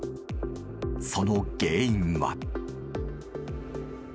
その原因は。